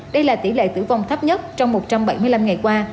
đây là tỷ lệ tử vong thấp nhất trong một trăm bảy mươi năm ngày qua